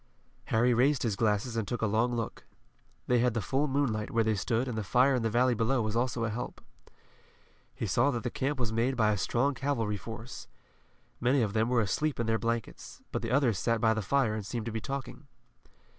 Harry raised his glasses and took a long look. They had the full moonlight where they stood and the fire in the valley below was also a help. He saw that the camp was made by a strong cavalry force. Many of them were asleep in their blankets, but the others sat by the fire and seemed to be talking.